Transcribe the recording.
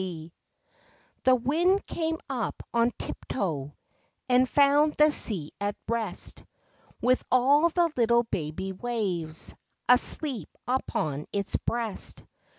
C he wind came up on tiptoe And found the sea at rest, With all the little baby waves Asleep upon its breast.